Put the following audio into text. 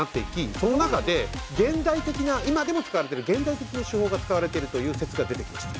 その中で現代的な今でも使われている手法が使われているという説が出てきました。